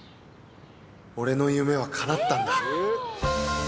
俺の夢はかなったんだ。